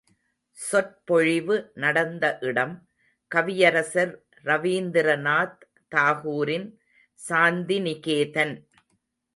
சொற்பொழிவு நடந்த இடம் கவியரசர் ரவீந்திரநாத் தாகூரின் சாந்திநிகேதன்.